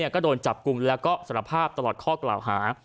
ก็โดนจับกลุ่มแล้วก็สารภาพตลอดข้อกล่าวหา